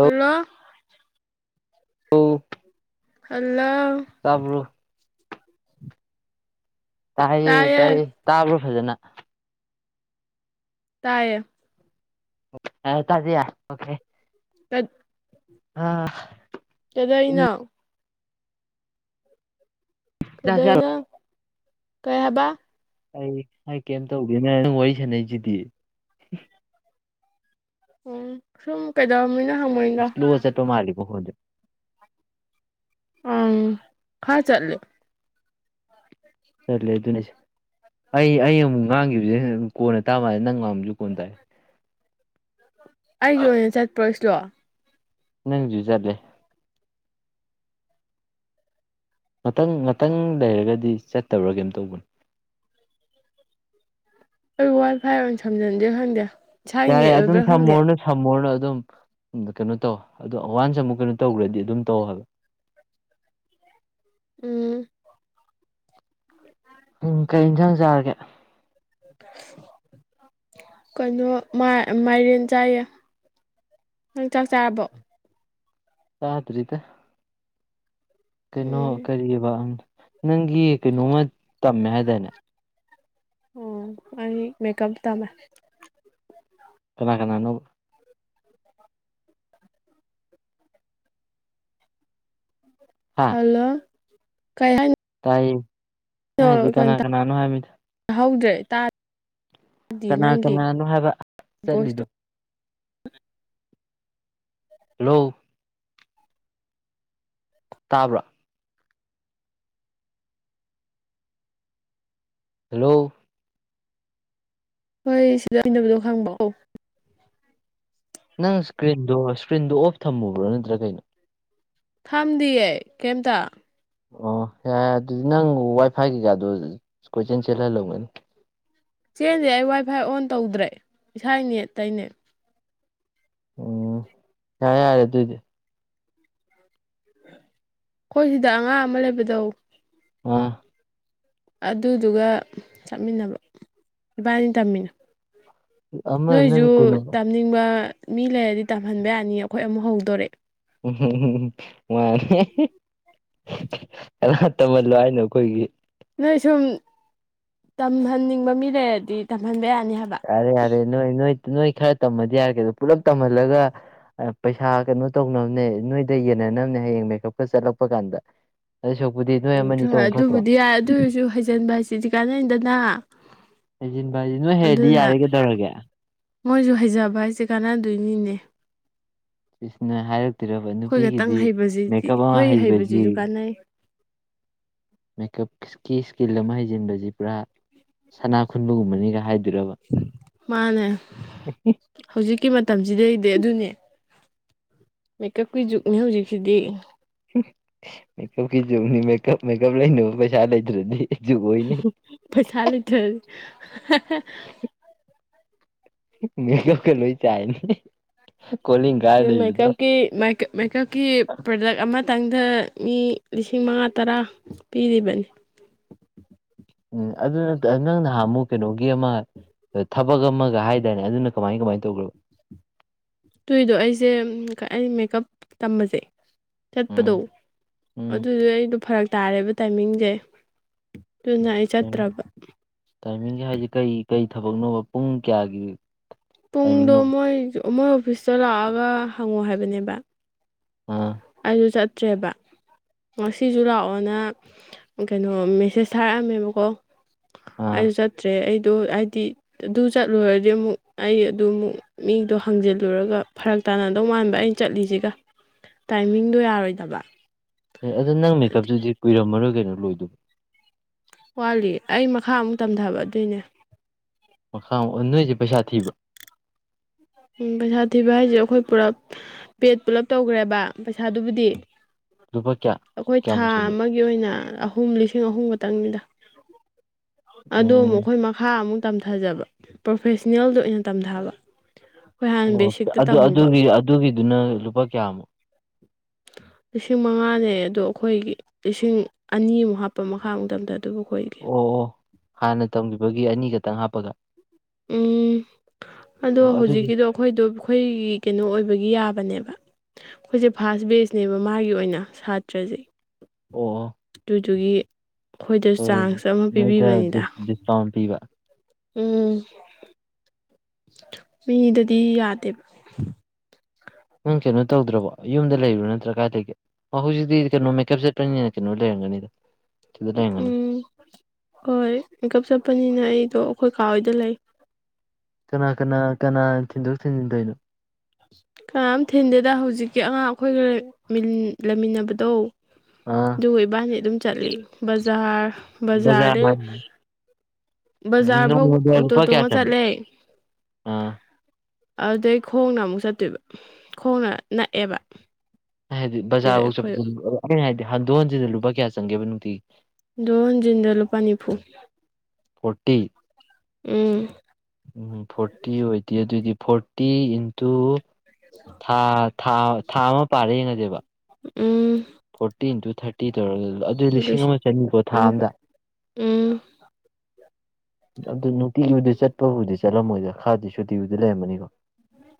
hello ꯑꯣ hello ꯇꯥꯕ꯭ꯔꯣ ꯇꯥꯏꯌꯦ ꯇꯥꯏꯌꯦ ꯇꯥꯕ꯭ꯔꯣ ꯐꯖꯅ ꯇꯥꯏꯌꯦ ꯇꯥꯖꯌꯥ ꯑꯣꯈꯦ ꯀꯠ ꯑ ꯀꯩꯗꯣꯏꯅꯣ ꯆꯥꯛ ꯆꯥꯔꯣ ꯀꯗꯣꯏꯅꯣ ꯀꯩ ꯍꯥꯏꯕ ꯑꯩ ꯑꯩ ꯀꯩꯝ ꯇꯧꯗꯦ ꯅꯪ ꯋꯥꯔꯤ ꯁꯥꯟꯅꯩꯁꯤꯗꯤ ꯎꯝ ꯁꯨꯝ ꯀꯩꯗꯧꯔꯝꯃꯤꯅꯣ ꯍꯪꯕꯅꯤꯗ ꯏꯁ꯭ꯂꯣ ꯆꯠꯄ ꯃꯥꯜꯂꯤꯀꯣ ꯐꯣꯟꯁꯤ ꯑꯝ ꯈꯔ ꯆꯠꯂꯤ ꯆꯠꯂꯦ ꯑꯗꯨꯅꯤꯁꯦ ꯑꯩ ꯑꯩ ꯑꯃꯨꯛ ꯉꯥꯡꯒꯥꯕꯁꯦ ꯀꯣꯟꯅ ꯇꯥ ꯃꯥꯜꯂꯦ ꯅꯪ ꯉꯥꯡꯕꯖꯨ ꯑꯩꯒꯤ ꯑꯣꯏꯅ ꯆꯠꯄ꯭ꯔꯣ ꯁ꯭ꯂꯣ ꯅꯪ ꯖꯨ ꯆꯠꯂꯦ ꯉꯥꯛꯇꯪ ꯉꯥꯛꯇꯪ ꯂꯩꯔꯒꯗꯤ ꯆꯠꯇꯕ꯭ꯔꯥ ꯀꯩꯝ ꯇꯧꯕꯟ ꯑꯟꯑꯣꯗꯤꯕꯜ ꯑꯩ ꯋꯥꯢ ꯐꯥꯏ ꯑꯣꯏꯅ ꯁꯝꯖꯟꯁꯤꯔꯥ ꯈꯪꯗꯦ ꯏꯁꯥꯒꯤ ꯌꯥꯔꯦ ꯅꯦꯠ ꯑꯗꯨꯝ ꯑꯣꯏꯕ꯭ꯔꯥ ꯈꯪꯗꯦ ꯁꯝꯃꯣꯔꯅꯨ ꯁꯝꯃꯣꯔꯅꯨ ꯑꯗꯨꯝ ꯀꯩꯅꯣ ꯇꯧ ꯑꯗꯣ ꯋꯥꯟꯁ ꯑꯃꯨꯛ ꯀꯩꯅꯣ ꯇꯧꯒ꯭ꯔꯗꯤ ꯑꯗꯨꯝ ꯇꯧ ꯍꯥꯏꯕ ꯑꯟꯑꯣꯗꯤꯕꯜ ꯎꯝ ꯎꯝ ꯀꯩ ꯏꯟꯁꯥꯡ ꯆꯥꯔꯒꯦ ꯀꯩꯅꯣ ꯃꯥꯏ ꯑ ꯃꯥꯏꯔꯦꯟ ꯆꯥꯏꯌꯦ ꯅꯪ ꯆꯥꯛ ꯆꯥꯔꯕꯣ ꯆꯥꯗ꯭ꯔꯤꯗ ꯀꯩꯅꯣ ꯎꯝ ꯀꯔꯤꯕꯥ ꯑꯝ ꯅꯪꯒꯤ ꯀꯩꯅꯣꯃ ꯇꯝꯃꯦ ꯍꯥꯏꯗꯥꯏꯅꯦ ꯑꯝ ꯑꯩ ꯃꯦꯀꯞ ꯇꯝꯃꯦ ꯀꯅꯥ ꯀꯅꯥꯅꯣ ꯍꯥ ꯍꯜꯂꯣ ꯀ ꯆꯀꯅꯥ ꯀꯅꯣ ꯍꯥꯏ ꯃꯤ ꯍꯧꯗ꯭ꯔꯦ ꯇꯥ ꯀꯅꯥ ꯀꯅꯥꯅꯣ ꯍꯥꯏꯕ ꯚꯣꯏꯁꯇꯣ ꯆꯠꯂꯤꯗꯣ ꯍꯜꯂꯣ ꯇꯥꯕ꯭ꯔꯥ ꯍꯜꯂꯣ ꯍꯣꯏ ꯁꯤꯗ ꯍꯕꯗꯣ ꯈꯪꯕ ꯀꯥꯎ ꯅꯪ ꯏꯁꯀ꯭ꯔꯤꯟꯗꯣ ꯏꯁꯀ꯭ꯔꯤꯟꯗꯣ ꯑꯣꯐ ꯊꯝꯃꯨꯕ꯭ꯔꯣ ꯅꯠꯇ꯭ꯔꯥ ꯀꯩꯅꯣ ꯊꯝꯗꯤꯌꯦ ꯀꯩꯝꯇ ꯑꯣ ꯌꯥꯔꯦ ꯑꯗꯨꯗꯤ ꯅꯪ ꯋꯥꯏ ꯐꯥꯏ ꯀꯩꯀꯥꯗꯣ ꯀꯣꯏꯆꯦꯜ ꯆꯦꯜꯍꯜ ꯂꯧꯒꯅꯤ ꯆꯦꯟꯗꯤ ꯑꯩ ꯋꯥꯏ ꯐꯥꯏ ꯑꯣꯟ ꯇꯧꯗ꯭ꯔꯦ ꯏꯁꯥꯅꯦ ꯑꯇꯩꯅꯦ ꯎꯝ ꯌꯥ ꯌꯥꯔꯦ ꯑꯗꯨꯏꯗꯤ ꯑꯩꯈꯣꯏ ꯁꯤꯗ ꯑꯉꯥꯡ ꯑꯃ ꯂꯩꯕꯗꯧ ꯑ ꯑꯗꯨꯗꯨꯒ ꯆꯠꯃꯤꯟꯅꯕ ꯏꯕꯥꯅꯤ ꯇꯝꯃꯤꯅꯨ ꯑꯃ ꯅꯪ ꯅꯣꯏꯁꯨ ꯀꯩꯅꯣ ꯇꯝꯅꯤꯡꯕ ꯃꯤ ꯂꯩꯔꯗꯤ ꯇꯝꯍꯟꯕ ꯌꯥꯅꯤ ꯑꯩꯈꯣꯏ ꯑꯃꯨꯛ ꯍꯧꯗꯣꯔꯛꯑꯦ ꯎ ꯋꯥꯅꯦ ꯀꯅꯥ ꯇꯝꯍꯜꯂꯣ ꯍꯥꯏꯅꯣ ꯑꯩꯈꯣꯏꯒꯤ ꯅꯣꯏ ꯁꯨꯝ ꯇꯝꯍꯟꯅꯤꯡꯕ ꯃꯤ ꯂꯩꯔꯗꯤ ꯇꯝꯍꯟꯕ ꯌꯥꯏ ꯌꯥꯔꯦ ꯌꯥꯔꯦ ꯅꯣꯏ ꯅꯣꯏ ꯅꯣꯏ ꯈꯔ ꯇꯝꯃꯗꯤ ꯌꯥꯔꯒꯦ ꯑꯗꯣ ꯄꯨꯜꯂꯞ ꯇꯝꯍꯜꯂꯒ ꯄꯩꯁꯥ ꯀꯩꯅꯣ ꯇꯧꯅꯕꯅꯦ ꯅꯣꯏꯗ ꯌꯦꯟꯅꯅꯕꯅꯦ ꯍꯌꯦꯡ ꯃꯦꯀꯞꯀ ꯆꯠꯂꯛꯄ ꯀꯥꯟꯗ ꯑꯗꯨꯏ ꯁꯔꯨꯛꯄꯨꯗꯤ ꯅꯣꯏ ꯎꯝ ꯑꯃꯅꯤ ꯊꯣꯏ ꯇꯧꯕꯅ ꯐꯠꯇ꯭ꯔꯣ ꯑꯗꯨꯕꯨꯗꯤ ꯌꯥꯏ ꯑꯗꯨ ꯑꯣꯏꯔꯁꯨ ꯍꯩꯖꯤꯟꯕ ꯍꯥꯏꯁꯤꯗꯤ ꯀꯥꯟꯅꯩꯗꯅ ꯍꯩꯖꯤꯟꯚꯁꯤ ꯅꯣꯏ ꯍꯦꯔꯗꯤ ꯑꯗꯨꯅ ꯌꯥꯔꯦꯒꯩꯗꯧꯔꯒꯦ ꯃꯣꯏꯁꯨ ꯍꯩꯖꯕ ꯍꯥꯏꯁꯦ ꯀꯥꯟꯅꯗꯣꯏꯅꯤꯅꯦ ꯏꯁꯁꯅ ꯍꯥꯏꯔꯛꯇꯔꯕ ꯑꯩꯈꯣꯏ ꯈꯛꯇꯪ ꯅꯨꯄꯤꯒꯤꯗꯤ ꯍꯩꯕꯁꯤꯗꯤ ꯃꯦꯀꯞ ꯑꯃ ꯑꯩꯈꯣꯏ ꯍꯩꯕꯁꯤ ꯍꯩꯕꯁꯤꯁꯨ ꯀꯥꯟꯅꯩ ꯃꯦꯀꯞꯀꯤ ꯏꯁꯀꯤꯜ ꯑꯃ ꯍꯩꯖꯤꯟꯕꯁꯤ ꯄꯨꯔꯥ ꯁꯅꯥ ꯈꯨꯟꯕꯒꯨꯝꯕꯅꯤꯒ ꯍꯥꯏꯗꯤ ꯃꯥꯅꯦ ꯍꯧꯖꯤꯛꯀꯤ ꯃꯇꯝꯁꯤꯗꯩꯗꯤ ꯑꯗꯨꯅꯦ ꯃꯦꯀꯞꯀꯤ ꯖꯨꯛꯅꯦ ꯍꯧꯖꯤꯛꯁꯤꯗꯤ ꯃꯦꯀꯞꯀꯤ ꯆꯨꯝꯅꯤ ꯃꯦꯀꯞ ꯃꯦꯀꯞ ꯂꯩꯅꯕ ꯄꯩꯁꯥ ꯂꯩꯇ꯭ꯔꯗꯤ ꯖꯨꯛ ꯑꯣꯏꯅꯤ ꯄꯩꯁꯥ ꯂꯩꯇ꯭ꯔꯦ ꯃꯤ ꯀ ꯂꯣꯏ ꯆꯥꯏꯅꯦ ꯃꯦꯀꯞꯀꯤ ꯃꯦꯀꯞꯀꯤ ꯄ꯭ꯔꯗꯛ ꯑꯃ ꯃꯊꯪꯗ ꯃꯤ ꯂꯤꯁꯤꯡ ꯃꯉꯥ ꯇꯔꯥ ꯄꯤꯔꯤꯕꯅꯤ ꯎꯝ ꯑꯗꯨ ꯅꯪ ꯅꯍꯥꯟ ꯑꯃꯨꯛ ꯀꯩꯅꯣꯒꯤ ꯑꯃ ꯑ ꯊꯕꯛ ꯑꯃꯒ ꯍꯥꯏꯇꯥꯔꯅꯦ ꯑꯗꯨꯅ ꯀꯃꯥꯏ ꯀꯃꯥꯏꯅ ꯇꯧꯈ꯭ꯔꯕ ꯇꯨꯏꯗꯣ ꯑꯩꯁꯦ ꯑꯩ ꯃꯦꯀꯞ ꯇꯝꯕꯁꯦ ꯎꯝ ꯆꯠꯄꯗꯣ ꯎꯝ ꯑꯗꯨꯗꯤ ꯑꯩꯗꯣ ꯐꯔꯛ ꯇꯥꯔꯦꯕ ꯇꯥꯏꯃꯤꯡꯁꯦ ꯑꯗꯨꯅ ꯑꯩ ꯆꯠꯇ꯭ꯔꯕ ꯇꯥꯏꯃꯤꯡꯁꯦ ꯍꯥꯏꯁꯦ ꯀꯩ ꯀꯔꯤ ꯊꯕꯛꯅꯣꯕ ꯄꯨꯡ ꯀꯌꯥꯒꯤ ꯄꯨꯡꯗꯣ ꯇꯥꯏꯃꯤꯡꯅꯣ ꯃꯣꯏ ꯃꯣꯏ ꯑꯣꯐꯤꯁꯇ ꯂꯥꯛꯑꯒ ꯍꯪꯉꯣ ꯍꯥꯏꯕꯅꯦꯕ ꯑꯥ ꯑꯩꯁꯨ ꯆꯠꯇ꯭ꯔꯦꯕ ꯉꯁꯤꯁꯨ ꯂꯥꯛꯑꯣꯅ ꯀꯩꯅꯣ ꯃꯦꯁꯦꯁ ꯊꯥꯔꯛꯑꯝꯃꯦꯕꯀꯣ ꯑꯥ ꯑꯩꯁꯨ ꯆꯠꯇ꯭ꯔꯦ ꯑꯩ ꯑꯗꯨ ꯍꯥꯏꯗꯤ ꯑꯗꯨ ꯆꯠꯂꯨꯔꯗꯤ ꯑꯃꯨꯛ ꯑꯩ ꯑꯗꯨ ꯑꯃꯨꯛ ꯃꯤꯗꯣ ꯍꯥꯡꯖꯜꯂꯨꯔꯒ ꯐꯔꯛ ꯇꯥꯟꯅꯗꯧ ꯃꯥꯟꯕ ꯑꯩꯅ ꯆꯠꯂꯤꯁꯤꯒ ꯇꯥꯏꯃꯤꯡꯗꯣ ꯌꯥꯔꯣꯏꯗꯕ ꯑꯦ ꯑꯗꯣ ꯅꯪ ꯑꯗꯨꯗꯤ ꯃꯦꯀꯞꯇꯨꯗꯤ ꯀꯨꯏꯔꯝꯃꯔꯣꯏ ꯀꯩꯅꯣ ꯂꯣꯏꯗꯣꯏꯧꯕ ꯋꯥꯂꯤ ꯑꯩ ꯃꯈꯥ ꯑꯃꯨꯛ ꯇꯝꯊꯕ ꯑꯗꯨꯏꯅꯦ ꯃꯈꯥ ꯑꯣꯟ ꯅꯣꯏꯁꯦ ꯄꯩꯁꯥ ꯊꯤꯕ꯭ꯔ ꯎꯝ ꯄꯩꯁꯥ ꯊꯤꯕ ꯍꯥꯏꯁꯦ ꯑꯩꯈꯣꯏ ꯄꯨꯂꯞ ꯄꯦꯠ ꯄꯨꯂꯞ ꯇꯧꯈ꯭ꯔꯦꯕ ꯄꯩꯁꯥꯗꯨꯕꯨꯗꯤ ꯂꯨꯄꯥ ꯀꯌꯥ ꯑꯩꯈꯣꯏ ꯊꯥ ꯀꯌꯥꯃꯨꯛ ꯆꯪꯒꯦ ꯑꯃꯒꯤ ꯑꯣꯏꯅ ꯑꯍꯨꯝ ꯂꯤꯁꯤꯡ ꯑꯍꯨꯝ ꯈꯛꯇꯪꯅꯤꯗ ꯑꯗꯣ ꯎꯝ ꯃꯈꯣꯏ ꯃꯈꯥ ꯑꯃꯨꯛ ꯇꯝꯊꯖꯕ ꯄ꯭ꯔꯣꯐꯦꯁꯅꯦꯜꯗ ꯑꯣꯏꯅ ꯇꯝꯊꯕ ꯑꯩꯈꯣꯏ ꯍꯥꯟꯅ ꯕꯦꯁꯤꯛꯇ ꯇꯝꯃꯨꯕ ꯑꯣꯒꯤ ꯑꯗꯨꯒꯤꯗꯨꯅ ꯂꯨꯄꯥ ꯀꯌꯥꯃꯨꯛ ꯂꯤꯁꯤꯡ ꯃꯉꯥꯅꯦ ꯑꯗꯣ ꯑꯩꯈꯣꯏꯒꯤ ꯂꯤꯁꯤꯡ ꯑꯅꯤꯃꯨꯛ ꯍꯥꯞꯄ ꯃꯈꯥ ꯃꯇꯝꯗ ꯑꯣ ꯑꯣ ꯍꯥꯟꯅ ꯇꯝꯈꯤꯕꯒꯤ ꯑꯅꯤ ꯈꯛꯇꯪ ꯍꯥꯞꯄꯒ ꯎꯝ ꯑꯗꯣ ꯑꯣ ꯑꯗꯨꯗꯤ ꯍꯧꯖꯤꯛꯀꯤꯗꯣ ꯑꯩꯈꯣꯏꯗꯣ ꯑꯩꯈꯣꯏꯒꯤ ꯀꯩꯅꯣ ꯑꯣꯏꯕꯒꯤ ꯌꯥꯕ ꯅꯦꯕ ꯑꯩꯈꯣꯏꯁꯦ ꯐꯔꯥꯁ ꯕꯦꯁꯅꯦꯕ ꯃꯥꯒꯤ ꯑꯣꯏꯅ ꯁꯥꯇ꯭ꯔꯁꯦ ꯑꯣ ꯑꯣ ꯇꯨ ꯆꯨꯒꯤ ꯑꯩꯈꯣꯏꯗ ꯍꯣꯏ ꯍꯣꯏ ꯆꯥꯟꯁ ꯑꯃ ꯅꯣꯏꯗ ꯄꯤꯕꯤꯕꯅꯤꯗ ꯗꯤꯁ ꯗꯤꯁꯀꯥꯎꯟ ꯄꯤꯕ ꯎꯝ ꯃꯤꯗꯗꯤ ꯌꯥꯗꯦꯕ ꯅꯪ ꯀꯩꯅꯣ ꯇꯧꯗ꯭ꯔꯕꯣ ꯌꯨꯝꯗ ꯂꯩꯔꯣ ꯅꯠꯇ꯭ꯔꯥ ꯀꯥꯏ ꯂꯩꯒꯦ ꯍꯧꯖꯤꯛꯇꯤ ꯀꯩꯅꯣ ꯃꯦꯀꯞ ꯁꯦꯠꯄꯅꯤꯅ ꯀꯩꯅꯣ ꯂꯩꯔ ꯒꯅꯤꯗ ꯎꯝ ꯍꯣꯏ ꯏꯪꯀꯞ ꯆꯞꯄꯅꯤꯅ ꯑꯩꯗꯣ ꯑꯩꯈꯣꯏ ꯀꯥ ꯍꯣꯏꯗ ꯂꯩ ꯀꯅꯥ ꯀꯅꯥ ꯀꯅꯥ ꯊꯤꯟꯗꯣꯛ ꯊꯤꯟꯖꯤꯟꯗꯣꯏꯅꯣ ꯀꯅꯥꯝ ꯊꯤꯟꯗꯦꯗ ꯍꯧꯖꯤꯛꯀꯤ ꯑꯉꯥꯡ ꯑꯩꯈꯣꯏꯒꯔ ꯂꯩꯃꯤꯟꯅꯕꯗꯣ ꯑꯥ ꯏꯕꯥꯗꯤ ꯑꯗꯨꯝ ꯆꯠꯂꯤ ꯕꯖꯥꯔ ꯕꯖꯥꯔꯗ ꯕꯖꯥꯔ ꯕꯖꯥꯔ ꯐꯥꯎ ꯅꯣꯡꯃꯗ ꯂꯨꯄꯥ ꯀꯌꯥ ꯑꯣꯇꯣꯇꯣꯉ ꯆꯪꯒꯦ ꯆꯠꯂꯦ ꯑꯥ ꯑꯗꯨꯗꯩ ꯈꯣꯡꯅ ꯑꯃꯨꯛ ꯆꯠꯇꯣꯏꯕ ꯈꯣꯡꯅ ꯅꯛꯑꯦꯕ ꯍꯥꯏꯗꯤ ꯑꯗꯨꯗ ꯕꯖꯥꯔꯐꯥꯎ ꯑꯩꯈꯣꯏ ꯆꯠꯩꯅ ꯍꯥꯏꯗꯤ ꯍꯟꯗꯣꯛ ꯍꯟꯖꯤꯅ ꯂꯨꯄꯥ ꯀꯌꯥ ꯆꯪꯒꯦꯕ ꯅꯨꯡꯇꯤꯒꯤ ꯗꯣꯟꯟꯖꯤꯟꯗ ꯂꯨꯄꯥ ꯅꯤꯐꯨ ꯍꯣꯇꯤ ꯎꯝ ꯎꯝ ꯐꯣꯔꯇꯤ ꯑꯣꯏꯗꯦ ꯑꯗꯨꯑꯣꯏꯗꯤ ꯐꯣꯔꯇꯤ ꯏꯟꯇꯨ ꯊꯥꯔꯠ ꯊꯥ ꯊꯥ ꯑꯃ ꯄꯥꯔꯦ ꯌꯦꯡꯉꯁꯦꯕ ꯎꯝ ꯐꯣꯔꯇꯤ ꯏꯟ ꯇꯨ ꯊꯥꯔꯇꯤ ꯑꯗꯨꯏ ꯂꯤꯁꯤꯡ ꯑꯃ ꯆꯅꯤꯀꯣ ꯊꯥ ꯑꯃꯨꯛ ꯑꯝꯗ ꯎꯝ ꯑꯗꯨ ꯅꯨꯡꯇꯤꯒꯤꯨꯗꯤ ꯆꯠꯄꯕꯨꯥꯎꯗꯤ ꯆꯠꯂꯝꯃꯣꯏꯗ ꯈꯔꯗꯤ ꯁꯨꯇꯤꯨꯗꯤ ꯂꯩꯔꯝꯃꯅꯤꯀꯣ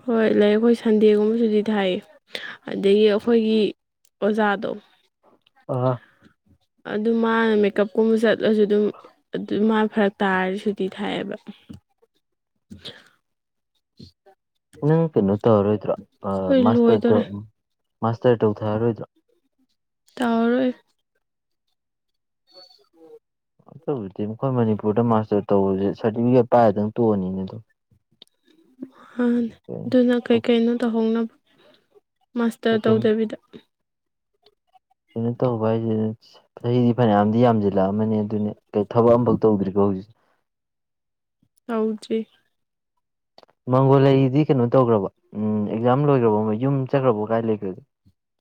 ꯍꯣꯏ ꯂꯩ ꯑꯩꯈꯣꯏ ꯁꯟꯗꯦꯒꯨꯝꯕꯁꯨꯗꯤ ꯊꯥꯏ ꯑꯗꯒꯤ ꯑꯩꯈꯣꯏꯒꯤ ꯑꯣꯖꯥꯗꯣ ꯑ ꯑꯗꯨ ꯃꯥꯅ ꯃꯦꯀꯞꯀꯨꯝꯕ ꯆꯠꯂꯁꯨ ꯑꯗꯨꯝ ꯑꯗꯨ ꯃꯥꯅ ꯐꯔꯛ ꯇꯥꯔꯁꯨꯗꯤꯤ ꯊꯥꯏꯑꯦꯕ [inaudible] [inaudible] ꯅꯪ ꯀꯩꯅꯣ ꯇꯧꯔꯔꯣꯏꯗ꯭ꯔꯣ ꯑꯩꯈꯣꯏ ꯃꯥꯁꯇꯔꯗ ꯂꯣꯏꯗꯣꯔꯦ ꯃꯥꯁꯇꯔ ꯇꯧꯊꯥꯔꯔꯣꯏꯗ꯭ꯔꯣ ꯇꯔ ꯎ ꯎ ꯑꯗꯨꯕꯨꯗꯤ ꯃꯈꯣꯏ ꯃꯅꯤꯄꯨꯔꯗ ꯃꯥꯁꯇꯔ ꯇꯧꯕꯁꯦ ꯁꯥꯔꯇꯤꯐꯤꯀꯦꯠ ꯄꯥꯏꯔꯗꯪ ꯇꯣꯛꯑꯅꯤꯅꯦ ꯑꯗꯨꯝ ꯑꯗꯨꯅ ꯀꯩꯀꯩꯅꯣ ꯇꯧꯍꯧꯅꯕ ꯃꯥꯁꯇꯔ ꯀꯩꯅꯣ ꯇꯧꯗꯕꯤꯗ ꯀꯩꯅꯣ ꯇꯧꯕ ꯍꯥꯏꯁꯤꯅ ꯆꯍꯤꯗꯤ ꯐꯅꯌꯥꯝꯗꯤ ꯌꯥꯝꯁꯤꯜꯂꯛꯑꯃꯅꯦ ꯑꯗꯨꯅꯦ ꯀꯩ ꯊꯕꯛ ꯑꯃꯐꯛ ꯇꯧꯗ꯭ꯔꯤꯀꯣ ꯍꯧꯖꯤꯛꯤ ꯍꯥꯎꯖꯤ ꯃꯪꯒꯣꯂꯗꯤ ꯀꯩꯅꯣ ꯇꯧꯈ꯭ꯔꯕ ꯎꯝ ꯑꯦꯛꯖꯥꯝ ꯂꯣꯏꯈ꯭ꯔꯕ ꯑꯃ ꯌꯨꯝ ꯆꯠꯈ꯭ꯔꯕꯣ ꯀꯥꯏ ꯂꯩꯈ꯭ꯔꯒꯦ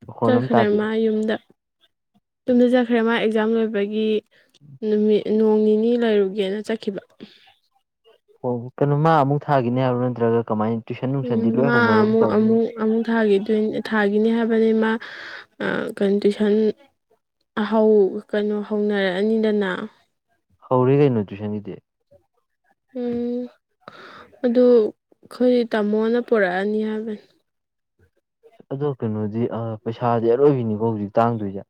ꯃꯈꯣꯟ ꯑꯃ ꯆꯠꯈ꯭ꯔꯦ ꯇꯥꯗꯦꯕ ꯃꯥ ꯌꯨꯝꯗ ꯌꯨꯝꯗ ꯆꯠꯈ꯭ꯔꯦ ꯃꯥ ꯑꯦꯛꯖꯥꯝ ꯂꯣꯏꯕꯒꯤ ꯅꯨꯃꯤꯠ ꯅꯣꯡ ꯅꯤꯅꯤ ꯂꯩꯔꯨꯒꯦꯅ ꯆꯠꯈꯤꯕ ꯍꯣ ꯀꯩꯅꯣ ꯃꯥ ꯑꯃꯨꯛ ꯊꯥꯈꯤꯅꯤ ꯍꯥꯏꯕ꯭ꯔꯣ ꯅꯠꯇ꯭ꯔꯒ ꯀꯃꯥꯏꯅ ꯇꯨꯏꯁꯟ ꯎꯝ ꯅꯨꯡꯁꯟꯗꯤ ꯂꯣꯏ ꯃꯥ ꯍꯧꯅꯔ ꯑꯃꯨꯛ ꯇꯧꯅꯤ ꯑꯃꯨꯛ ꯑꯃꯨꯛ ꯊꯥꯈꯤꯗꯣꯏ ꯊꯥꯒꯤꯅꯤ ꯍꯥꯏꯕꯅꯤ ꯃꯥ ꯑ ꯀꯟꯗꯤꯁꯟ ꯀꯩꯅꯣ ꯍꯧꯅꯔꯛꯑꯅꯤꯗꯅ ꯍꯧꯔꯤꯈꯩ ꯅ꯭ꯌꯨꯇ꯭ꯔꯤꯁꯟꯒꯤ ꯗ ꯎꯝ ꯑꯗꯨ ꯑꯩꯈꯣꯏ ꯇꯥꯃꯣꯅ ꯄꯨꯔꯛꯑꯅꯤ ꯍꯥꯏꯕꯅꯤ ꯑꯗꯣ ꯀꯩꯅꯣꯗꯤ ꯄꯩꯁꯥꯗꯤ ꯑꯔꯣꯏꯕꯤꯅꯤꯀꯣ ꯍꯧꯖꯤꯛ ꯇꯥꯡꯗꯣꯏꯁꯦ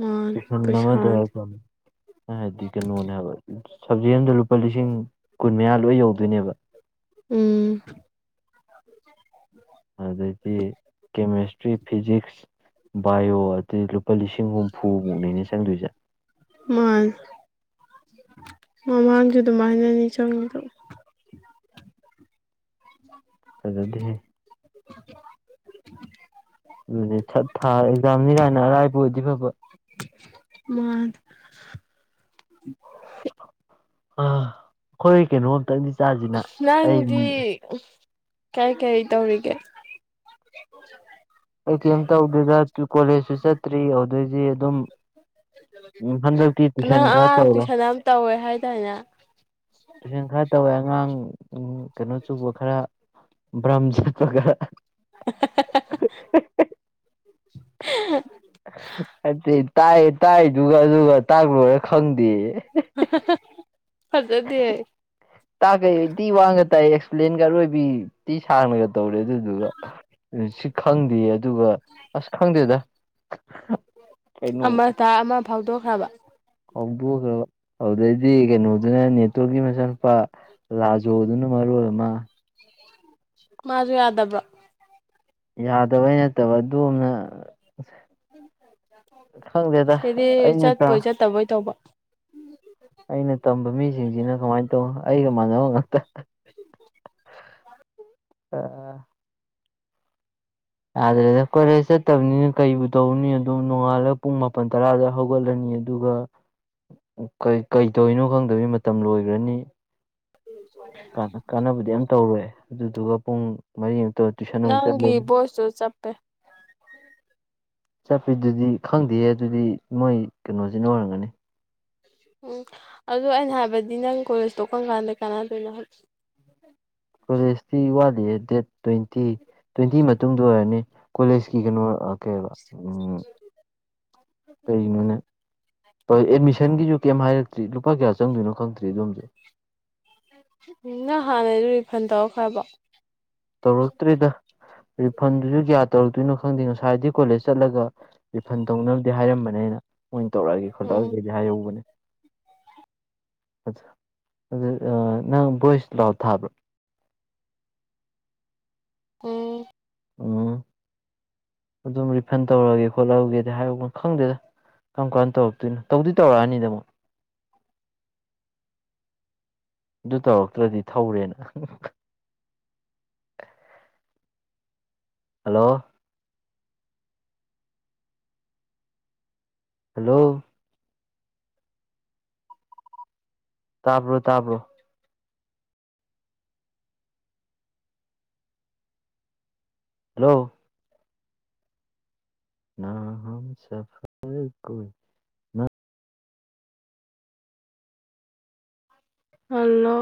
ꯃꯥꯅꯤ ꯄꯩꯁꯥꯗꯤ ꯅꯃꯗꯗꯤꯀꯅ ꯃꯅꯦ ꯍꯥꯏꯕ ꯁꯞꯖꯤ ꯑꯗ ꯂꯨꯄꯥ ꯂꯤꯁꯤꯡ ꯀꯨꯟ ꯃꯌꯥ ꯂꯣꯏ ꯌꯧꯗꯣꯏꯅꯦꯕ ꯎꯝ ꯑꯗꯩꯗꯤ ꯀꯦꯃꯦꯁꯇ꯭ꯔꯤ ꯐꯤꯖꯤꯛꯁ ꯕꯥꯏꯑꯣ ꯑꯩ ꯂꯨꯄꯥ ꯂꯤꯁꯤꯡ ꯍꯨꯝꯐꯨꯃꯨꯛꯅꯤꯩꯅ ꯆꯪꯗꯣꯏꯁꯦ ꯃꯃꯥꯡꯁꯨꯗ ꯃꯥꯏꯅꯅꯤ ꯆꯪꯗ ꯑꯗꯨꯗꯤ ꯑꯗꯨꯗꯤ ꯊꯥ ꯑꯦꯛꯖꯥꯝꯅꯤꯔꯥꯏꯅ ꯑꯔꯥꯏꯕ ꯑꯣꯏꯗꯤ ꯐꯕ ꯃꯥꯅꯤ [unintelligible] ꯑ ꯍꯣꯏ ꯀꯦꯅꯣ ꯑꯣ ꯇ ꯅꯗꯤ ꯀꯔꯤ ꯀꯔꯤ ꯇꯧꯔꯤꯒꯦ ꯑꯩ ꯀꯩ ꯇꯧꯗꯦꯗ ꯀꯣꯂꯦꯖꯁꯨ ꯆꯠꯇ꯭ꯔꯤ ꯑꯗꯨꯗꯣꯏꯗꯤ ꯑꯗꯨꯝ ꯍꯟꯗꯛꯇꯤ ꯅꯪ ꯇꯨꯏꯁꯟ ꯈꯔ ꯑꯉꯥꯡ ꯇꯧꯔꯦ ꯇ꯭ꯨꯏꯁꯟ ꯑꯃ ꯇꯧꯋꯦ ꯍꯥꯏꯇꯥꯅꯦ ꯇꯨꯁꯟ ꯈꯥꯏ ꯇ ꯍ ꯑꯉꯥꯡ ꯀꯩꯅꯣ ꯆꯨꯕ ꯈꯔ ꯕ꯭ꯔꯝ ꯆꯠꯄꯒ ꯅꯠꯇꯦ [unintelligible] ꯇꯥꯏ ꯇꯥꯏꯗꯨꯒ ꯑꯗꯨꯒ ꯇꯥꯛꯂꯣꯏꯨꯔꯦ ꯈꯪꯗꯦ [unintelligible] ꯐꯖꯗꯦ ꯇꯥ ꯀꯩ ꯍꯥꯏꯗꯤ ꯋꯥꯡꯉ ꯇꯥꯏꯌꯦ ꯄ꯭ꯂꯦꯟꯒ ꯑꯔꯣꯏꯕꯤ ꯇꯤ ꯁꯥꯡꯅꯒ ꯇꯧꯔꯦ ꯑꯗꯨꯗꯨꯒ ꯁꯤ ꯈꯪꯗꯦ ꯑꯗꯨꯒ ꯑꯁ ꯈꯪꯗꯦꯗ ꯀꯩꯅꯣ ꯑꯃ ꯇꯥ ꯑꯃ ꯐꯥꯎꯗꯣꯛꯈ꯭ꯔꯕ ꯍꯧꯗꯣꯛꯈ꯭ꯔꯕ ꯑꯗꯨꯗꯩꯗꯤ ꯀꯩꯅꯣꯗꯨꯅ ꯅꯦꯠꯋꯔꯛꯀꯤ ꯃꯆꯥ ꯃꯨꯄꯥ ꯂꯥꯖꯣꯗꯨꯅ ꯃꯔ ꯑꯣꯏꯃ ꯃꯥꯁꯨ ꯌꯥꯗꯕ ꯌꯥꯗꯕꯩ ꯅꯠꯇꯕ ꯑꯗꯨꯝꯅ ꯁꯤꯗꯤ ꯑꯩꯅ ꯆꯠꯄꯣꯏ ꯆꯠꯇꯕꯣꯏ ꯇꯧꯕ ꯑꯩꯅ ꯇꯝꯕ ꯃꯤꯁꯤꯡꯁꯤꯅ ꯀꯃꯥꯏꯅ ꯇꯧ ꯑꯩꯒ ꯃꯥꯟꯅꯕ ꯉꯥꯛꯇ [unintelligible] ꯑꯥ ꯌꯥꯗ꯭ꯔꯦꯗ ꯀꯣꯏꯂꯦꯖ ꯆꯠꯇꯕꯅꯤꯅ ꯀꯔꯤꯕꯨ ꯇꯧꯅꯤ ꯑꯗꯨꯣ ꯅꯣꯡꯉꯥꯜꯂꯒ ꯄꯨꯡ ꯃꯥꯄꯜ ꯇꯔꯥꯗ ꯍꯧꯒꯠꯂꯅꯤ ꯑꯗꯨꯒ ꯀꯩꯗꯧꯔꯤꯅꯣ ꯈꯪꯗꯕꯩ ꯃꯇꯝ ꯂꯣꯏꯈ꯭ꯔꯅꯤ ꯀꯥꯟꯅꯕꯗꯤ ꯌꯥꯝ ꯇꯧꯔꯣꯏꯦ ꯑꯗꯨꯗꯨꯒ ꯄꯨꯡ ꯃꯔꯤꯃ ꯇꯣ ꯇꯨꯁꯅꯁꯥ ꯅꯪꯒꯤ ꯂꯩꯅꯤ ꯚꯣꯏꯁꯇꯨ ꯆꯞꯄꯦ ꯆꯠꯄꯤꯗꯨꯗꯤ ꯈꯪꯗꯦ ꯑꯗꯨꯗꯤ ꯃꯣꯏ ꯀꯩꯅꯣꯁꯤꯅ ꯑꯣꯏꯔꯝꯒꯅꯤ ꯎꯝ ꯑꯗꯨꯗ ꯑꯩꯅ ꯍꯥꯏꯕꯗꯤ ꯅꯪ ꯀꯣꯂꯦꯖ ꯇꯣꯛꯀꯝ ꯀꯥꯟꯗ ꯀꯅꯥꯗꯣꯏꯅꯣꯂ ꯀꯣꯂꯦꯖꯇꯤ ꯋꯥꯠꯂꯤꯑ ꯗꯦꯠ ꯇ꯭ꯋꯦꯟꯇꯤ ꯇ꯭ꯋꯦꯟꯇꯤ ꯃꯇꯨꯡꯗ ꯑꯣꯏꯔꯅꯤ ꯀꯣꯂꯦꯖꯀꯤ ꯀꯩꯅꯣ ꯀꯩ ꯎ ꯀꯩꯒꯤꯅꯣꯅꯦ ꯑꯦꯠꯃꯤꯁꯟꯒꯤꯁꯨ ꯀꯩꯝ ꯍꯥꯏꯔꯛꯇ꯭ꯔꯤ ꯂꯨꯄꯥ ꯀꯌꯥ ꯆꯪꯗꯣꯏꯅꯣ ꯈꯪꯗ꯭ꯔꯤ ꯑꯗꯣꯝꯁꯨ ꯅꯪ ꯍꯥꯟꯅꯗꯨ ꯔꯤꯐꯟ ꯇꯧꯔꯛꯈ꯭ꯔꯕ ꯇꯧꯔꯛꯇ꯭ꯔꯤꯗ ꯔꯤꯐꯟꯗꯨꯁꯨ ꯀꯌꯥ ꯇꯧꯔꯛꯇꯣꯏꯅꯣ ꯈꯪꯗꯦ ꯉꯁꯥꯏꯗꯤ ꯀꯣꯂꯦꯖ ꯆꯠꯂꯒ ꯔꯤꯐꯟ ꯇꯧꯅꯕꯗꯤ ꯍꯥꯏꯔꯝꯕꯅꯦꯅ ꯃꯣꯏ ꯇꯧꯔꯛꯑꯒꯦ ꯎꯝ ꯈꯣꯠꯂꯛꯑꯒꯦꯗꯤ ꯍꯥꯏꯍꯧꯕꯅꯦ ꯑꯗꯨ ꯅꯪ ꯕꯣꯏꯁ ꯂꯥꯎ ꯊꯥꯕ꯭ꯔꯣ ꯀ ꯎꯝ ꯑꯗꯨꯝ ꯔꯤꯐꯟ ꯇꯧꯔꯒꯦ ꯈꯣꯠꯂꯒꯦꯗꯤ ꯍꯥꯏꯔ ꯈꯪꯗꯦꯗ ꯀꯔꯝ ꯀꯥꯟꯅ ꯇꯧꯔꯛꯇꯣꯏꯅꯣ ꯇꯧꯗꯤ ꯇꯧꯔꯛꯑꯅꯤꯗ ꯑꯃꯣ ꯑꯗꯨ ꯇꯧꯔꯛꯇ꯭ꯔꯗꯤ ꯊꯧꯔꯦꯅ ꯍꯜꯂꯣ ꯍꯜꯂꯣ ꯇꯥꯕ꯭ꯔꯣ ꯇꯥꯕ꯭ꯔꯣ ꯍꯜꯂꯣ ꯅꯍ ꯁꯐꯔ ꯀꯣꯏ ꯅ ꯍꯜꯂꯣ